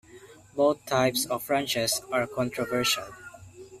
Both types of ranches are controversial.